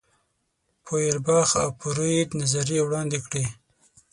فوئرباخ او فروید نظریې وړاندې کړې.